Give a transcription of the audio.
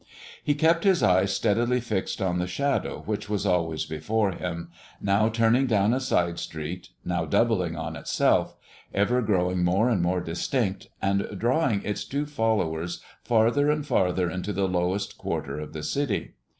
He kept his eyes steadily fixed on the Shadow, which was always before him, now turning down a side street, now doubling on itself, ever growing more and more distinct, and drawing its two followers farther and farther into the lowest quarter of the city.